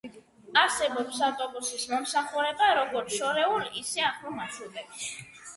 არსებობს ავტობუსის მომსახურება, როგორც შორეულ ისე ახლო მარშრუტებზე.